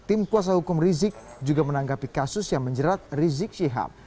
tim kuasa hukum rizik juga menanggapi kasus yang menjerat rizik syihab